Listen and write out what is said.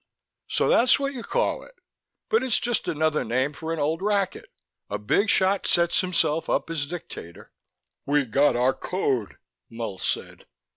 "So that's what you call it? But it's just another name for an old racket. A big shot sets himself up as dictator " "We got our Code," Mull said.